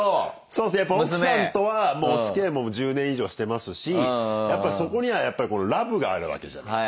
そうですねやっぱ奥さんとはもうおつきあいも１０年以上してますしやっぱそこにはラブがあるわけじゃない。